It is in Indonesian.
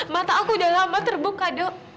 mata aku sudah lama terbuka do